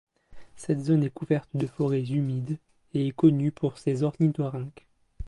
Cette zone est couverte de forêts humides et est connue pour ces ornithorynques.